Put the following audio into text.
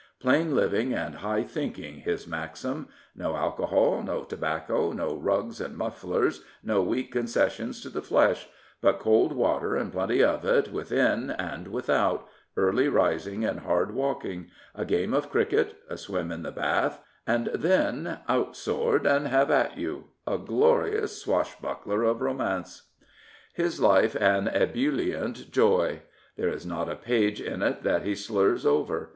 Plain living and high thinking his maxim — no alcohol, no tobacco, no rugs and muflfiers, no weak concessions to the flesh; but cold water and plenty of it within and without, early rising and hard 290 John Burns walking, a game of cricket, a swim in the bath, and then — out sword and have at youl A glorious swashbuckler of romance. His life an ebullient joy. There is not a page in it that he slurs over.